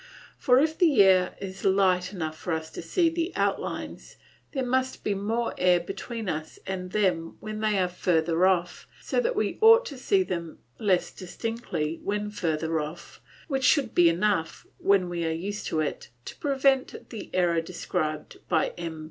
For if the air is light enough for us to see the outlines there must be more air between us and them when they are further off, so that we ought to see them less distinctly when further off, which should be enough, when we are used to it, to prevent the error described by M.